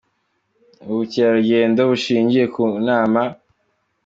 ubukerarugendo bushingiye ku Nama.